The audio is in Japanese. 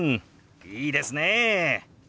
いいですね！